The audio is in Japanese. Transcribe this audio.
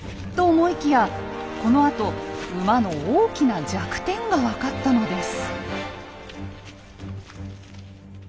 このあと馬の大きな弱点が分かったのです。